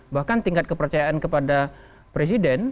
bahkan tingkat kepercayaan kepada presiden